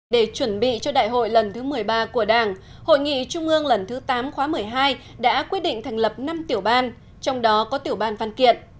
để chuẩn bị cho đại hội lần thứ một mươi ba của đảng hội nghị trung ương lần thứ tám khóa một mươi hai đã quyết định thành lập năm tiểu ban trong đó có tiểu ban văn kiện